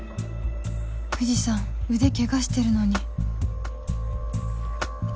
藤さん腕ケガしてるのに